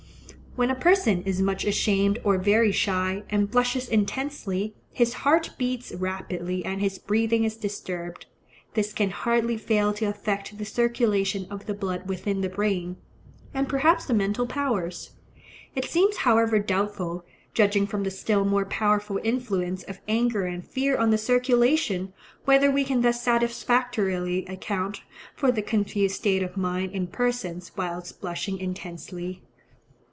When a person is much ashamed or very shy, and blushes intensely, his heart beats rapidly and his breathing is disturbed. This can hardly fail to affect the circulation of the blood within the brain, and perhaps the mental powers. It seems however doubtful, judging from the still more powerful influence of anger and fear on the circulation, whether we can thus satisfactorily account for the confused state of mind in persons whilst blushing intensely.